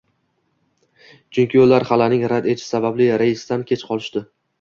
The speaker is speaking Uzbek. Chunki ular Xalaning rad etishi sababli reysdan kech qolishdi